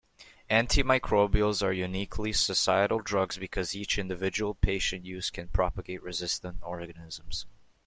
Antimicrobials are uniquely societal drugs because each individual patient use can propagate resistant organisms.